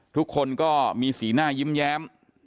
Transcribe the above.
ทุกคนก็มีสีหน้ายิ้มแย้ม